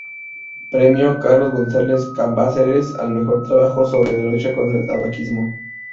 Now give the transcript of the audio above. Premio "Carlos González Cambaceres", al mejor trabajo sobre la lucha contra el tabaquismo.